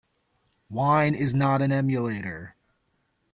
Wine is not an emulator.